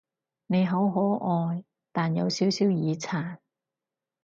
你好可愛，但有少少耳殘